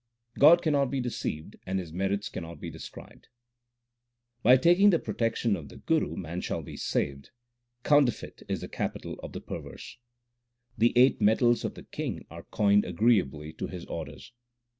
God cannot be deceived and His merits cannot be described : By taking the protection of the Guru man shall be saved ; counterfeit is the capital of the perverse. The eight metals of the King are coined agreeably to His orders.